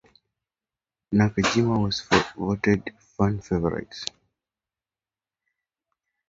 Nakajima was voted Fan Favorite.